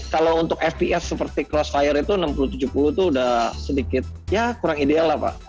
kalau untuk fts seperti crossfire itu enam puluh tujuh puluh itu udah sedikit ya kurang ideal lah pak